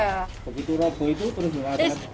begitu robo itu terus ada